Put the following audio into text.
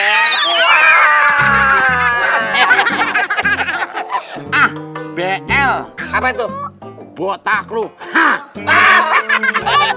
ah bl apa itu botak lu hah